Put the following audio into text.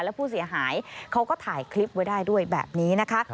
แล้วผู้เสียหายเขาก็ถ่ายคลิปไว้ได้ด้วยแบบนี้นะคะ